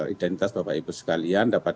identitas bapak ibu sekalian dapat